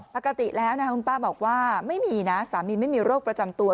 ปกติแล้วนะคุณป้าบอกว่าไม่มีนะสามีไม่มีโรคประจำตัว